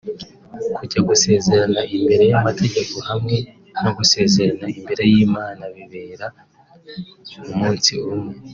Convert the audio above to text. kujya gusezerana imbere y’amategeko hamwe no gusezerana imbere y’Imana bibera umunsi umwe